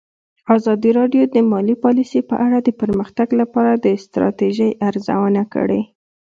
ازادي راډیو د مالي پالیسي په اړه د پرمختګ لپاره د ستراتیژۍ ارزونه کړې.